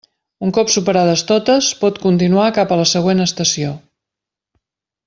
Un cop superades totes, pot continuar cap a la següent estació.